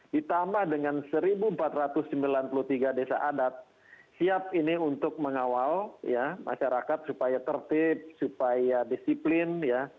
ditambah dengan satu empat ratus sembilan puluh tiga desa adat siap ini untuk mengawal masyarakat supaya tertib supaya disiplin ya